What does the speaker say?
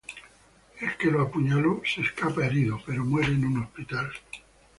El que lo apuñaló se escapa herido, pero muere en un hospital.